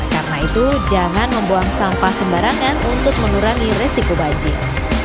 karena itu jangan membuang sampah sembarangan untuk menurangi resiko banjir